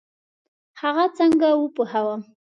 هغه څنګه وپوهوم؟